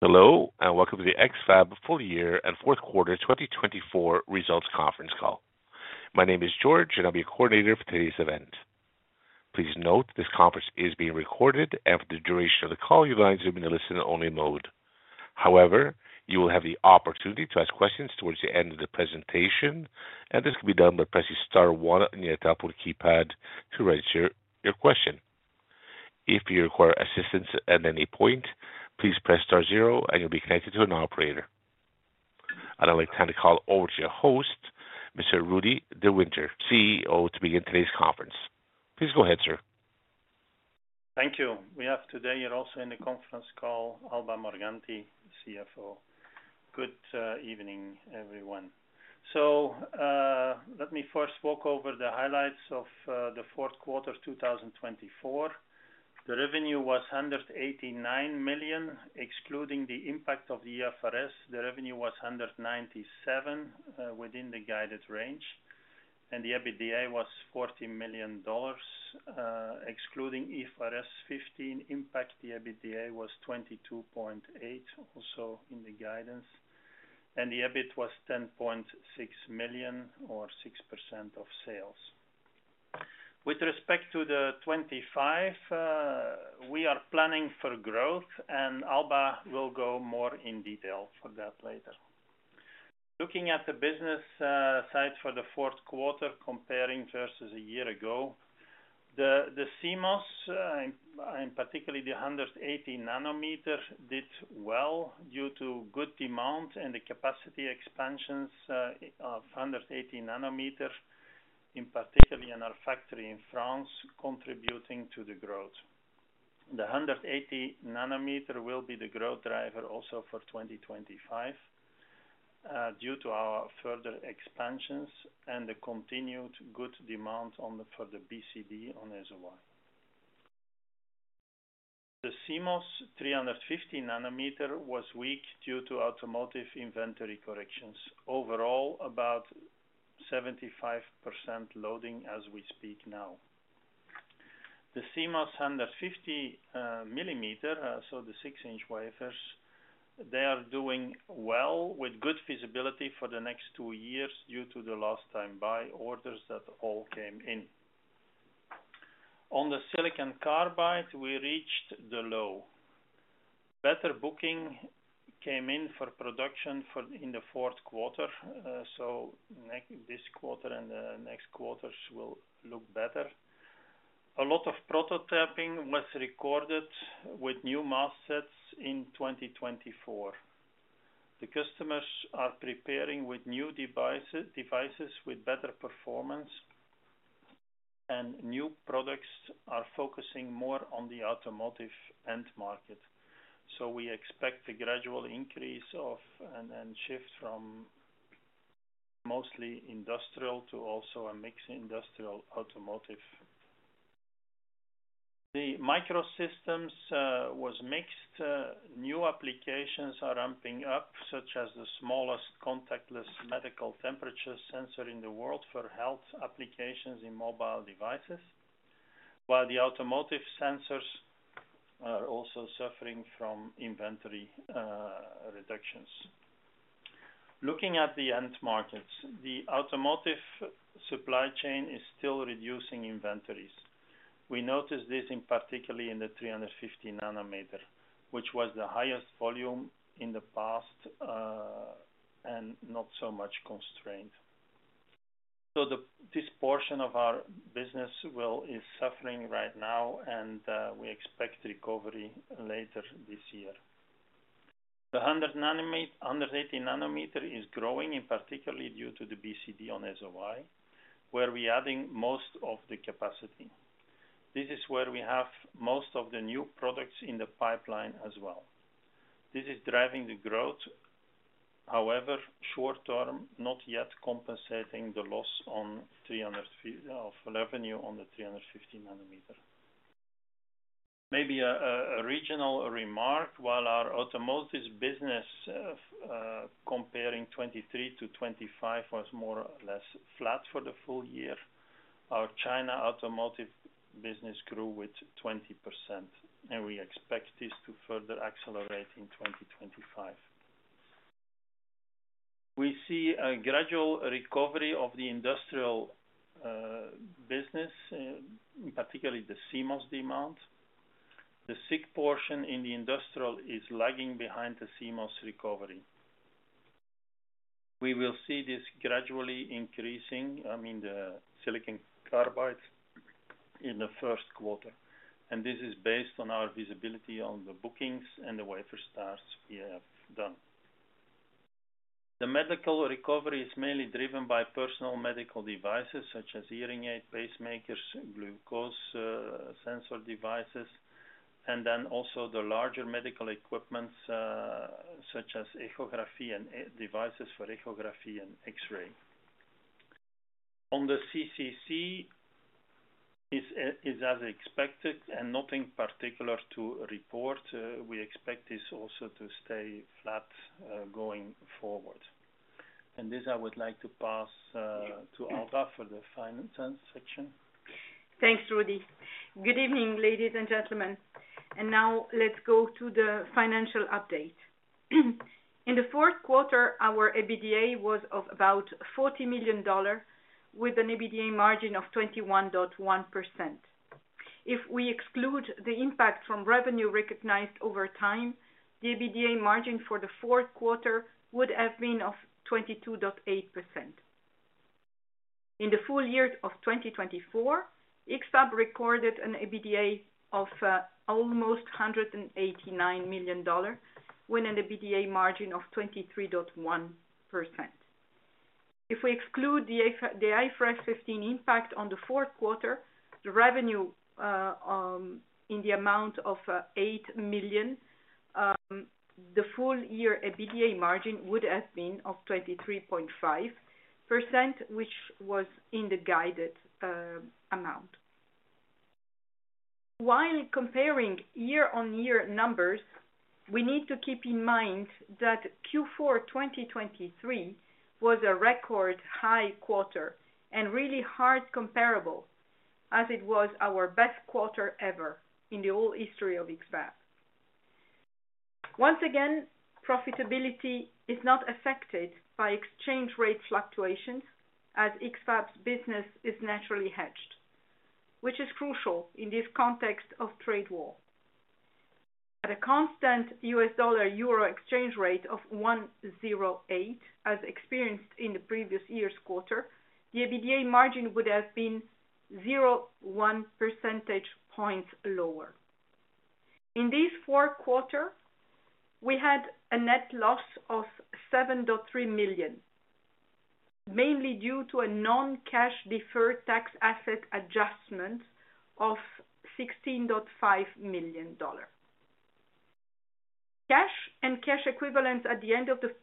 Hello, and welcome to the X-FAB full year and fourth quarter 2024 results conference call. My name is George, and I'll be your coordinator for today's event. Please note this conference is being recorded, and for the duration of the call, your lines will be in a listen-only mode. However, you will have the opportunity to ask questions towards the end of the presentation, and this can be done by pressing Star one on your tablet keypad to register your question. If you require assistance at any point, please press star zero, and you'll be connected to an operator. I'd now like to turn the call over to your host, Mr. Rudi De Winter, CEO, to begin today's conference. Please go ahead, sir. Thank you. We have today also in the conference call, Alba Morganti, CFO. Good evening, everyone. So let me first walk over the highlights of the fourth quarter 2024. The revenue was $189 million, excluding the impact of the IFRS 15. The revenue was $197 million, within the guided range. And the EBITDA was $40 million, excluding IFRS 15 impact. EBITDA was $22.8 million, also in the guidance. And the EBIT was $10.6 million, or 6% of sales. With respect to the 2025, we are planning for growth, and Alba will go more in detail for that later. Looking at the business side for the fourth quarter, comparing versus a year ago, the CMOS, and particularly the 180 nm, did well due to good demand and the capacity expansions of 180 nm, in particular in our factory in France, contributing to the growth. The 180 nm will be the growth driver also for 2025, due to our further expansions and the continued good demand for the BCD-on-SOI. The CMOS 350 nm was weak due to automotive inventory corrections. Overall, about 75% loading as we speak now. The CMOS 150 mm, so the six-inch wafers, they are doing well with good visibility for the next two years due to the last time-buy orders that all came in. On the silicon carbide, we reached the low. Better bookings came in for production in the fourth quarter, so this quarter and the next quarters will look better. A lot of prototyping was recorded with new mask sets in 2024. The customers are preparing with new devices with better performance, and new products are focusing more on the automotive end market. So we expect a gradual increase and shift from mostly industrial to also a mixed industrial automotive. The microsystems was mixed. New applications are ramping up, such as the smallest contactless medical temperature sensor in the world for health applications in mobile devices, while the automotive sensors are also suffering from inventory reductions. Looking at the end markets, the automotive supply chain is still reducing inventories. We noticed this particularly in the 350 nm, which was the highest volume in the past and not so much constrained. So this portion of our business is suffering right now, and we expect recovery later this year. The 180 nm is growing, particularly due to the BCD-on-SOI, where we are adding most of the capacity. This is where we have most of the new products in the pipeline as well. This is driving the growth. However, short-term, not yet compensating the loss of revenue on the 350 nm. Maybe a regional remark. While our automotive business, comparing 2023-2025, was more or less flat for the full year, our China automotive business grew with 20%, and we expect this to further accelerate in 2025. We see a gradual recovery of the industrial business, in particular the CMOS demand. The SiC portion in the industrial is lagging behind the CMOS recovery. We will see this gradually increasing, I mean, the silicon carbide in the first quarter, and this is based on our visibility on the bookings and the wafer starts we have done. The medical recovery is mainly driven by personal medical devices, such as hearing aids, pacemakers, glucose sensor devices, and then also the larger medical equipment, such as echography and devices for echography and X-ray. On the CCC, it's as expected and nothing particular to report. We expect this also to stay flat going forward. And this, I would like to pass to Alba for the finance section. Thanks, Rudi. Good evening, ladies and gentlemen. And now let's go to the financial update. In the fourth quarter, our EBITDA was of about 40 million dollars, with an EBITDA margin of 21.1%. If we exclude the impact from revenue recognized over time, the EBITDA margin for the fourth quarter would have been of 22.8%. In the full year of 2024, X-FAB recorded an EBITDA of almost 189 million dollar, with an EBITDA margin of 23.1%. If we exclude the IFRS 15 impact on the fourth quarter, the revenue in the amount of 8 million, the full year EBITDA margin would have been of 23.5%, which was in the guided amount. While comparing year-on-year numbers, we need to keep in mind that Q4 2023 was a record high quarter and really hard comparable, as it was our best quarter ever in the whole history of X-FAB. Once again, profitability is not affected by exchange rate fluctuations, as X-FAB's business is naturally hedged, which is crucial in this context of trade war. At a constant US dollar/euro exchange rate of 1.08, as experienced in the previous year's quarter, the EBITDA margin would have been 0.1 percentage points lower. In this fourth quarter, we had a net loss of $7.3 million, mainly due to a non-cash deferred tax asset adjustment of $16.5 million. Cash and cash equivalents at the end of the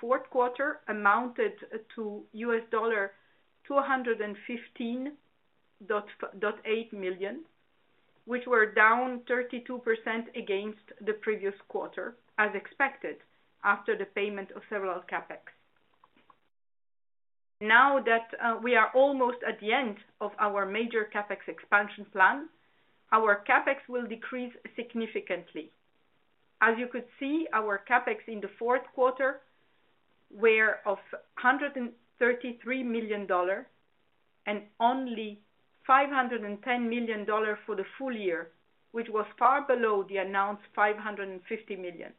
fourth quarter amounted to $215.8 million, which were down 32% against the previous quarter, as expected after the payment of several CapEx. Now that we are almost at the end of our major CapEx expansion plan, our CapEx will decrease significantly. As you could see, our CapEx in the fourth quarter was of 133 million dollars and only 510 million dollars for the full year, which was far below the announced 550 million.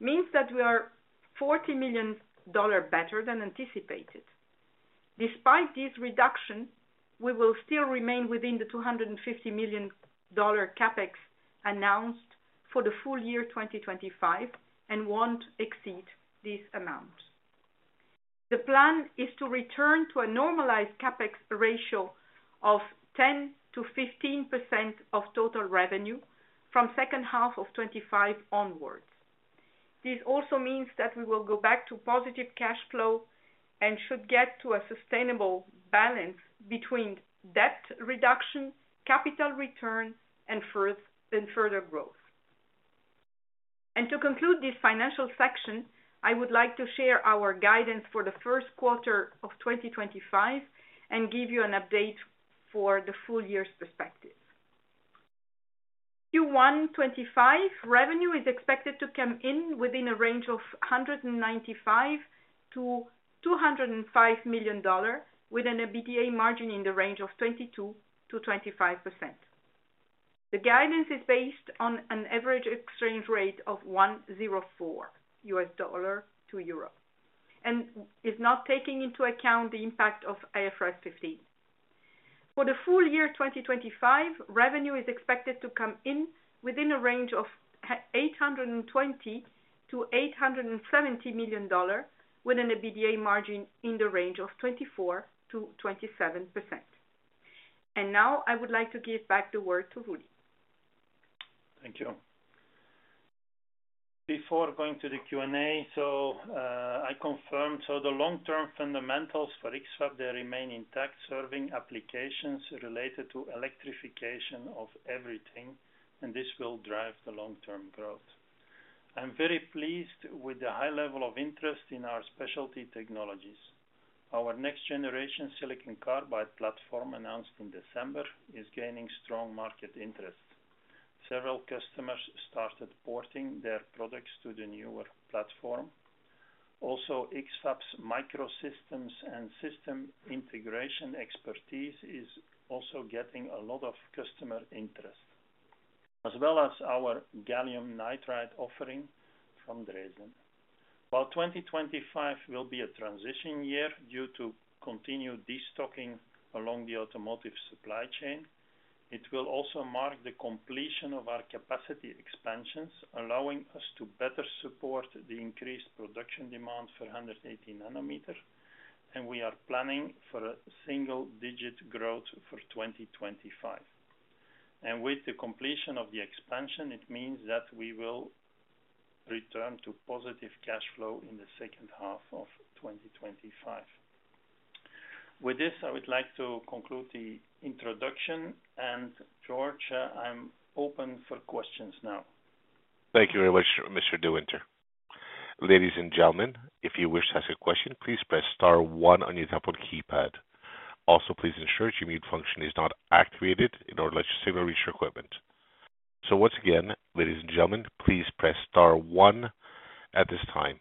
It means that we are 40 million dollars better than anticipated. Despite this reduction, we will still remain within the 250 million dollar CapEx announced for the full year 2025 and won't exceed this amount. The plan is to return to a normalized CapEx ratio of 10%-15% of total revenue from the second half of 2025 onwards. This also means that we will go back to positive cash flow and should get to a sustainable balance between debt reduction, capital return, and further growth. And to conclude this financial section, I would like to share our guidance for the first quarter of 2025 and give you an update for the full year's perspective. Q1 2025 revenue is expected to come in within a range of $195 million-$205 million, with an EBITDA margin in the range of 22%-25%. The guidance is based on an average exchange rate of 1.04 US dollar USD to euro and is not taking into account the impact of IFRS 15. For the full year 2025, revenue is expected to come in within a range of $820 million-$870 million, with an EBITDA margin in the range of 24%-27%. And now I would like to give back the word to Rudi. Thank you. Before going to the Q&A, so I confirmed the long-term fundamentals for X-FAB, they remain intact, serving applications related to electrification of everything, and this will drive the long-term growth. I'm very pleased with the high level of interest in our specialty technologies. Our next-generation silicon carbide platform announced in December is gaining strong market interest. Several customers started porting their products to the newer platform. Also, X-FAB's microsystems and system integration expertise is also getting a lot of customer interest, as well as our gallium nitride offering from Dresden. While 2025 will be a transition year due to continued destocking along the automotive supply chain, it will also mark the completion of our capacity expansions, allowing us to better support the increased production demand for 180 nm, and we are planning for a single-digit growth for 2025. With the completion of the expansion, it means that we will return to positive cash flow in the second half of 2025. With this, I would like to conclude the introduction. George, I'm open for questions now. Thank you very much, Mr. De Winter. Ladies and gentlemen, if you wish to ask a question, please press star one on your tablet keypad. Also, please ensure your mute function is not activated in order to let you simulate your equipment. So once again, ladies and gentlemen, please press star one at this time.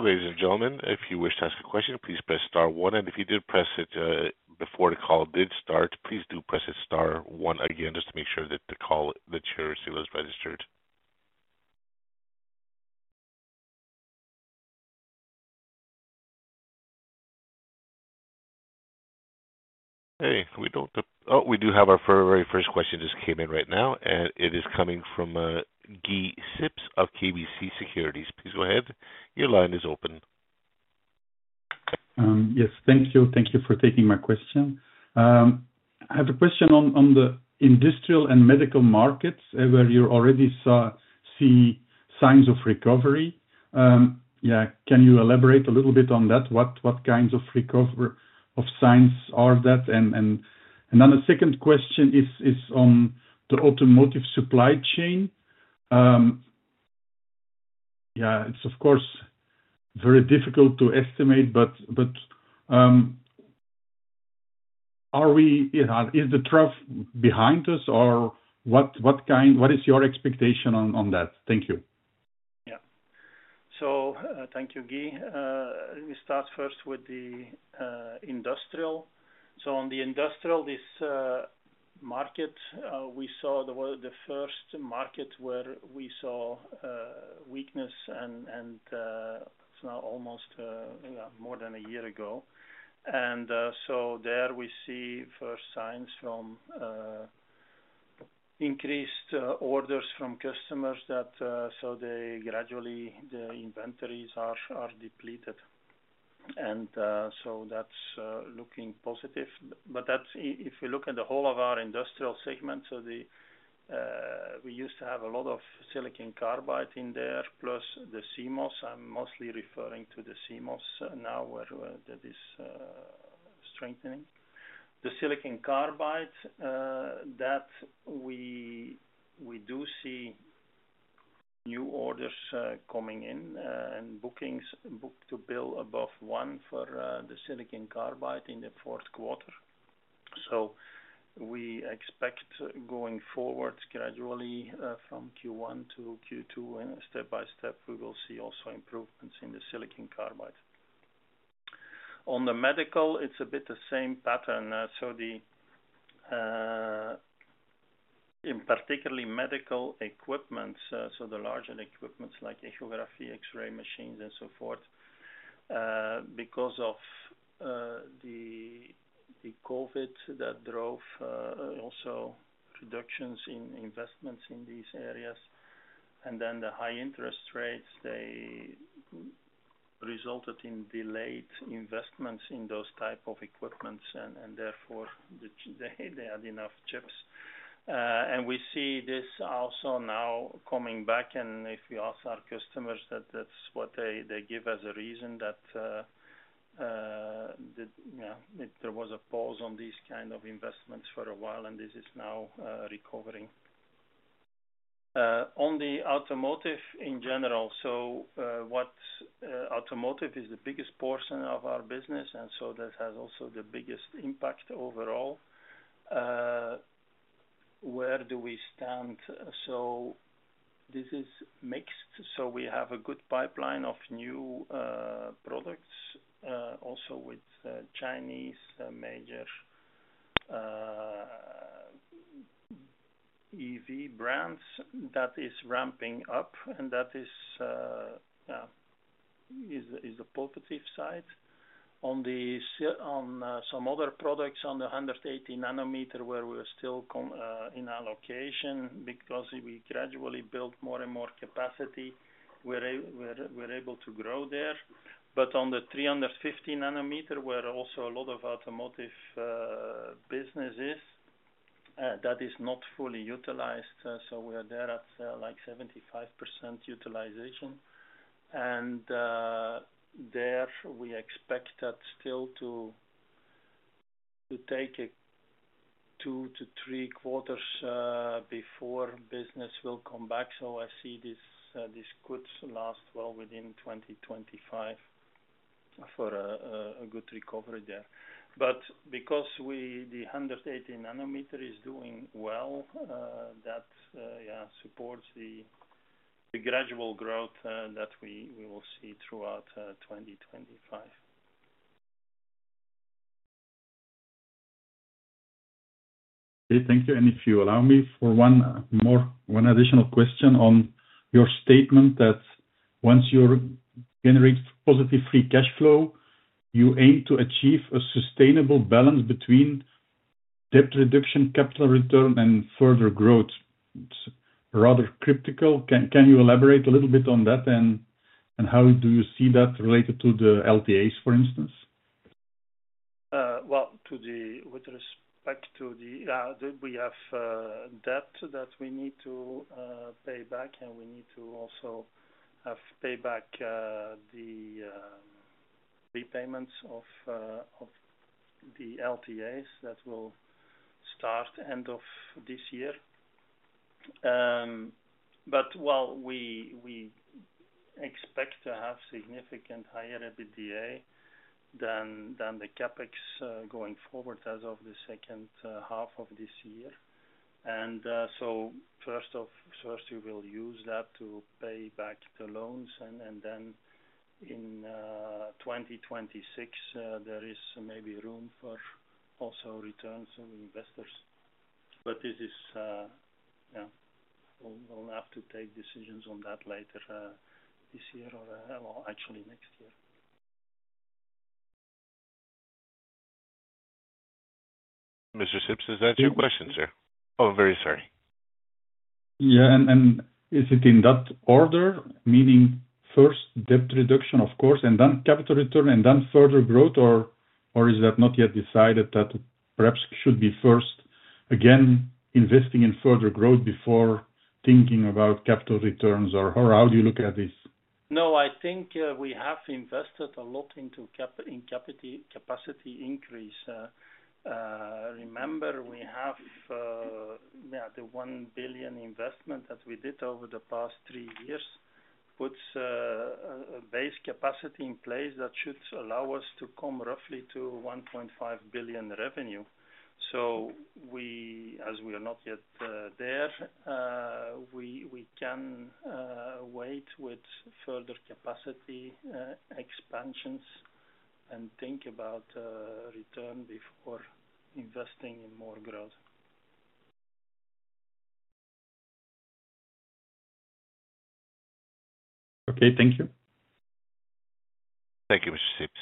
Ladies and gentlemen, if you wish to ask a question, please press star one. And if you did press it before the call did start, please do press star one again just to make sure that the call that you're receiving is registered. Hey, we do have our very first question just came in right now, and it is coming from Guy Sips of KBC Securities. Please go ahead. Your line is open. Yes, thank you. Thank you for taking my question. I have a question on the industrial and medical markets where you already see signs of recovery. Yeah, can you elaborate a little bit on that? What kinds of signs are that? And then the second question is on the automotive supply chain. Yeah, it's, of course, very difficult to estimate, but is the trough behind us, or what is your expectation on that? Thank you. Yeah. So thank you, Guy. Let me start first with the industrial. So on the industrial market, we saw the first market where we saw weakness, and it's now almost more than a year ago. And so there we see first signs from increased orders from customers, so gradually the inventories are depleted. And so that's looking positive. But if we look at the whole of our industrial segment, so we used to have a lot of silicon carbide in there, plus the CMOS. I'm mostly referring to the CMOS now where that is strengthening. The silicon carbide, that we do see new orders coming in and bookings booked to bill above one for the silicon carbide in the fourth quarter. So we expect going forward gradually from Q1 to Q2, and step by step, we will see also improvements in the silicon carbide. On the medical, it's a bit the same pattern. So in particular medical equipment, so the larger equipment like echography, X-ray machines, and so forth, because of the COVID that drove also reductions in investments in these areas. And then the high interest rates, they resulted in delayed investments in those types of equipment, and therefore they had enough chips. And we see this also now coming back. And if we ask our customers, that's what they give as a reason, that there was a pause on these kinds of investments for a while, and this is now recovering. On the automotive in general, so automotive is the biggest portion of our business, and so that has also the biggest impact overall. Where do we stand? So this is mixed. So we have a good pipeline of new products, also with Chinese major EV brands that is ramping up, and that is the positive side. On some other products, on the 180 nm, where we're still in our location because we gradually built more and more capacity, we're able to grow there. But on the 350 nm, where also a lot of automotive business is, that is not fully utilized. So we are there at like 75% utilization. And there we expect that still to take two to three quarters before business will come back. So I see this could last well within 2025 for a good recovery there. But because the 180 nm is doing well, that supports the gradual growth that we will see throughout 2025. Okay. Thank you. And if you allow me for one additional question on your statement that once you generate positive free cash flow, you aim to achieve a sustainable balance between debt reduction, capital return, and further growth. It's rather critical. Can you elaborate a little bit on that, and how do you see that related to the LTAs, for instance? With respect to the debt that we need to pay back, and we need to also pay back the repayments of the LTAs that will start end of this year, but while we expect to have significant higher EBITDA than the CapEx going forward as of the second half of this year, and so first, we will use that to pay back the loans, and then in 2026, there is maybe room for also returns to investors, but we'll have to take decisions on that later this year or actually next year. Mr. Sips, is that your question, sir? Oh, I'm very sorry. Yeah, and is it in that order, meaning first debt reduction, of course, and then capital return, and then further growth, or is that not yet decided that perhaps should be first, again, investing in further growth before thinking about capital returns, or how do you look at this? No, I think we have invested a lot in capacity increase. Remember, we have the 1 billion investment that we did over the past three years puts a base capacity in place that should allow us to come roughly to 1.5 billion revenue. So as we are not yet there, we can wait with further capacity expansions and think about return before investing in more growth. Okay. Thank you. Thank you, Mr. Sips.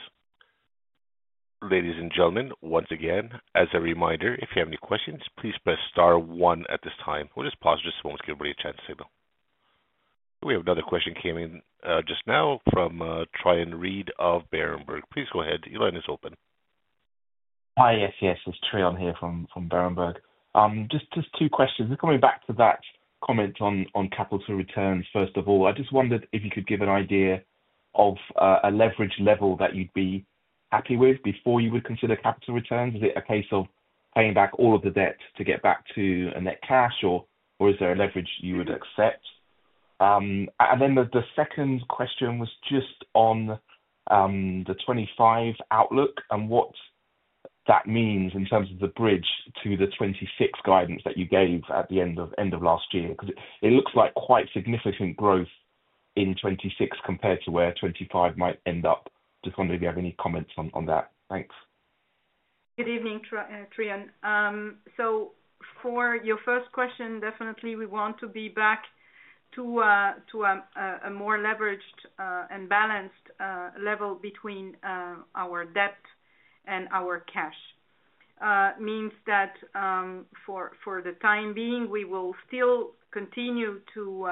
Ladies and gentlemen, once again, as a reminder, if you have any questions, please press star one at this time. We'll just pause just a moment to give everybody a chance to signal. We have another question came in just now from Trion Reid of Berenberg. Please go ahead. Your line is open. Hi, yes, yes. It's Trion here from Berenberg. Just two questions. Coming back to that comment on capital returns, first of all, I just wondered if you could give an idea of a leverage level that you'd be happy with before you would consider capital returns. Is it a case of paying back all of the debt to get back to a net cash, or is there a leverage you would accept? And then the second question was just on the 2025 outlook and what that means in terms of the bridge to the 2026 guidance that you gave at the end of last year. Because it looks like quite significant growth in 2026 compared to where 2025 might end up. Just wondered if you have any comments on that. Thanks. Good evening, Trion. So for your first question, definitely we want to be back to a more leveraged and balanced level between our debt and our cash. It means that for the time being, we will still continue to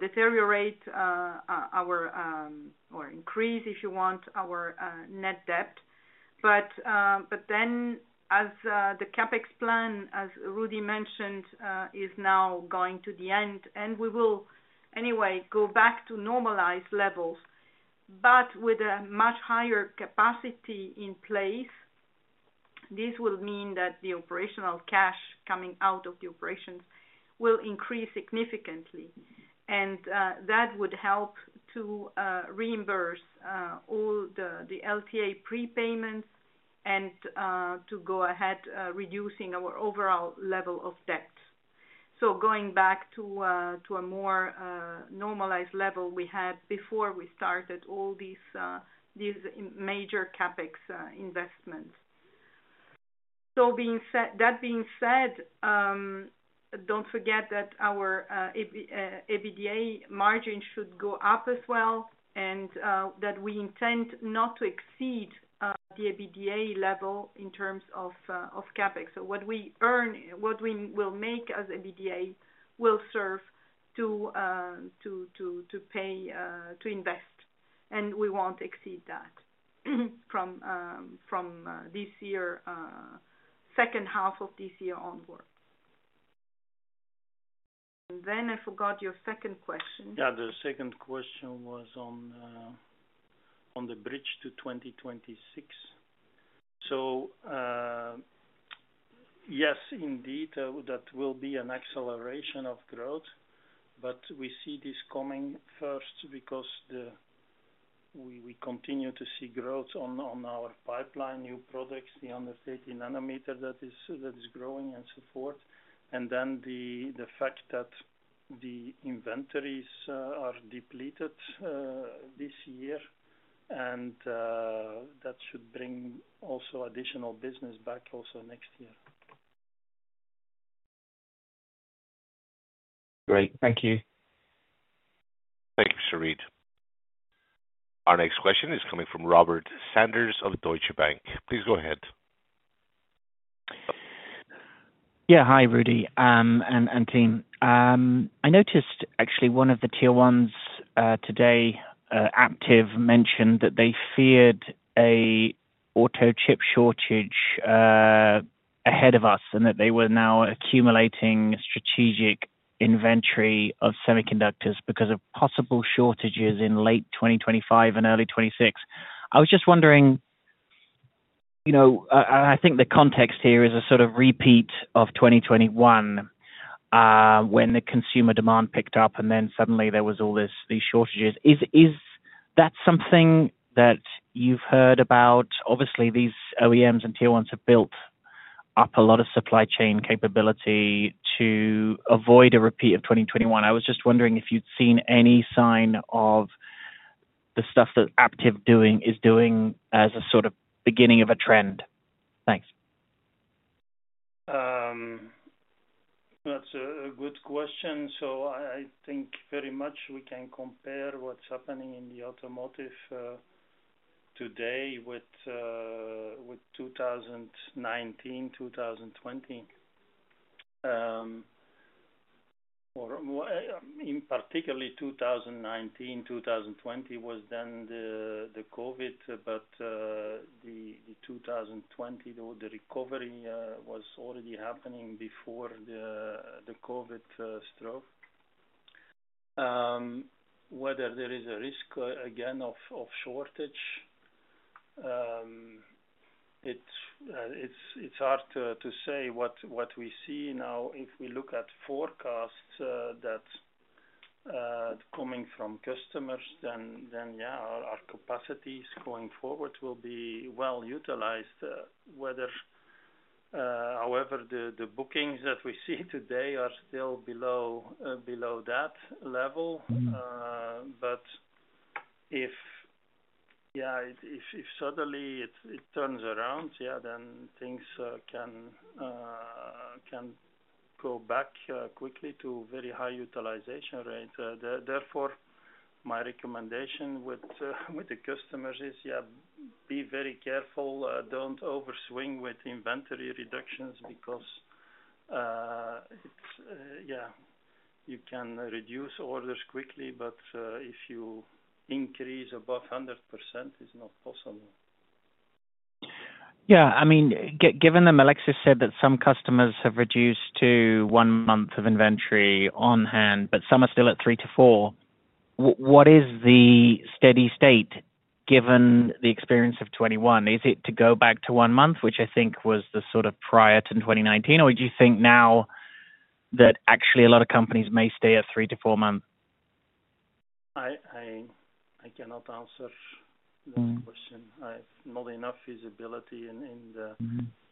deteriorate our or increase, if you want, our net debt. But then as the CapEx plan, as Rudi mentioned, is now going to the end, and we will anyway go back to normalized levels, but with a much higher capacity in place, this will mean that the operational cash coming out of the operations will increase significantly. And that would help to reimburse all the LTA prepayments and to go ahead reducing our overall level of debt. So going back to a more normalized level we had before we started all these major CapEx investments. So that being said, don't forget that our EBITDA margin should go up as well, and that we intend not to exceed the EBITDA level in terms of CapEx. So what we earn, what we will make as EBITDA will serve to pay, to invest. And we won't exceed that from this year, second half of this year onward. And then I forgot your second question. Yeah, the second question was on the bridge to 2026. So yes, indeed, that will be an acceleration of growth. But we see this coming first because we continue to see growth on our pipeline, new products, the 180 nm that is growing and so forth. And then the fact that the inventories are depleted this year, and that should bring also additional business back also next year. Great. Thank you. Thank you, Mr. Reid. Our next question is coming from Robert Sanders of Deutsche Bank. Please go ahead. Yeah. Hi, Rudi and team. I noticed actually one of the Tier 1s today, Aptiv, mentioned that they feared an auto chip shortage ahead of us and that they were now accumulating strategic inventory of semiconductors because of possible shortages in late 2025 and early 2026. I was just wondering, and I think the context here is a sort of repeat of 2021 when the consumer demand picked up and then suddenly there was all these shortages. Is that something that you've heard about? Obviously, these OEMs and Tier 1s have built up a lot of supply chain capability to avoid a repeat of 2021. I was just wondering if you'd seen any sign of the stuff that Aptiv is doing as a sort of beginning of a trend. Thanks. That's a good question, so I think very much we can compare what's happening in the automotive today with 2019, 2020. In particular, 2019, 2020 was then the COVID, but the 2020, the recovery was already happening before the COVID struck. Whether there is a risk, again, of shortage, it's hard to say. What we see now, if we look at forecasts that are coming from customers, then yeah, our capacities going forward will be well utilized. However, the bookings that we see today are still below that level, but yeah, if suddenly it turns around, yeah, then things can go back quickly to very high utilization rates. Therefore, my recommendation with the customers is, yeah, be very careful. Don't overswing with inventory reductions because, yeah, you can reduce orders quickly, but if you increase above 100%, it's not possible. Yeah. I mean, given that Melexis said that some customers have reduced to one month of inventory on hand, but some are still at three to four, what is the steady state given the experience of 2021? Is it to go back to one month, which I think was the sort of prior to 2019, or do you think now that actually a lot of companies may stay at three to four months? I cannot answer that question. I have not enough visibility in the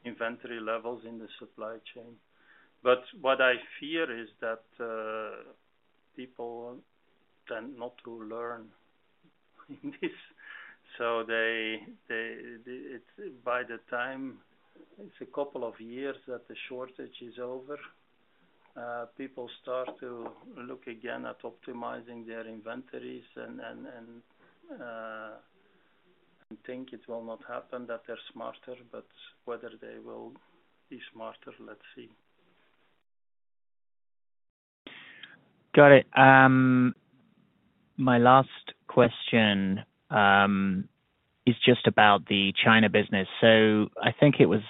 inventory levels in the supply chain. But what I fear is that people tend not to learn this. So by the time it's a couple of years that the shortage is over, people start to look again at optimizing their inventories and think it will not happen, that they're smarter. But whether they will be smarter, let's see. Got it. My last question is just about the China business. So I think it was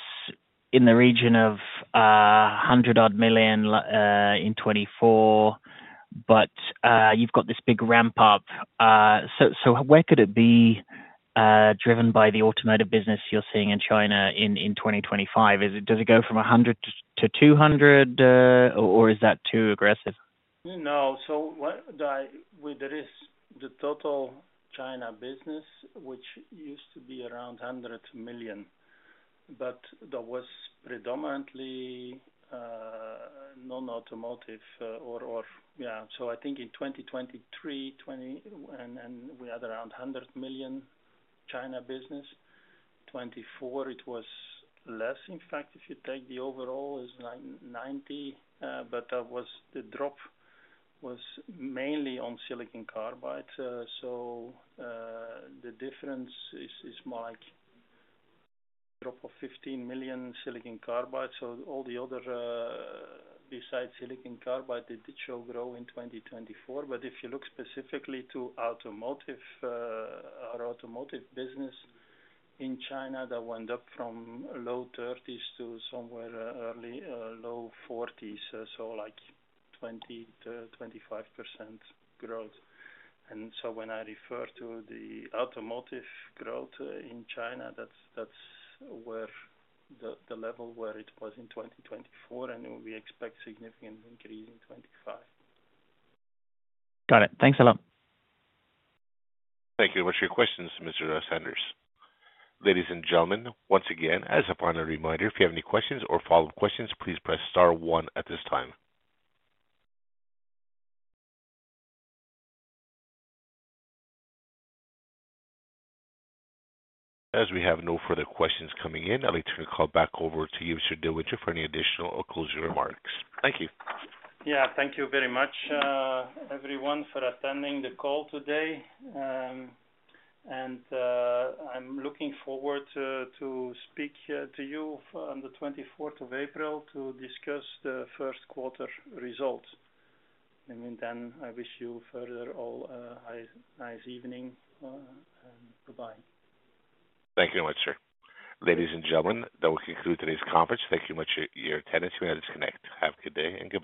in the region of 100-odd million in 2024, but you've got this big ramp-up. So where could it be driven by the automotive business you're seeing in China in 2025? Does it go from 100 million to 200 million, or is that too aggressive? No. So with the total China business, which used to be around 100 million, but that was predominantly non-automotive or yeah. So I think in 2023, we had around 100 million China business. 2024, it was less. In fact, if you take the overall, it's like 90 million, but the drop was mainly on silicon carbide. So the difference is more like a drop of 15 million silicon carbide. So all the other, besides silicon carbide, they did show growth in 2024. But if you look specifically to automotive or automotive business in China, that went up from low 30s to somewhere early low 40s, so like 20%-25% growth. And so when I refer to the automotive growth in China, that's the level where it was in 2024, and we expect significant increase in 2025. Got it. Thanks a lot. Thank you very much for your questions, Mr. Sanders. Ladies and gentlemen, once again, as a final reminder, if you have any questions or follow-up questions, please press star one at this time. As we have no further questions coming in, I'll turn the call back over to you, Mr. De Winter, for any additional or closing remarks. Thank you. Yeah. Thank you very much, everyone, for attending the call today. And I'm looking forward to speaking to you on the 24th of April to discuss the first quarter results. And then I wish you further all a nice evening and goodbye. Thank you very much, sir. Ladies and gentlemen, that will conclude today's conference. Thank you very much for your attendance. You may now disconnect. Have a good day and good.